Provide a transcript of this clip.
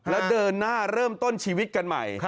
แล้วเดินหน้าเริ่มต้นชีวิตกันใหม่